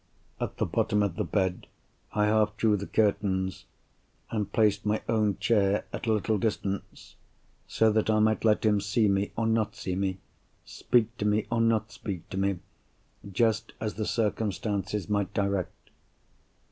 At the bottom of the bed I half drew the curtains—and placed my own chair at a little distance, so that I might let him see me or not see me, speak to me or not speak to me, just as the circumstances might direct.